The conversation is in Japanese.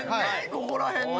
ここら辺ね。